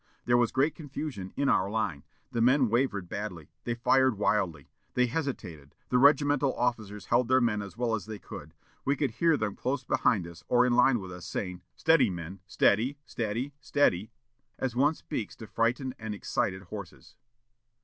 There was great confusion in our line. The men wavered badly. They fired wildly. They hesitated.... The regimental officers held their men as well as they could. We could hear them close behind us, or in line with us, saying, 'Steady, men, steady, steady, steady!' as one speaks to frightened and excited horses."